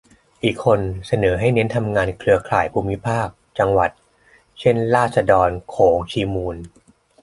อีกคนเสนอให้เน้นทำงานเครือข่ายภูมิภาค-จังหวัด เช่น ราษฎรโขงชีมูล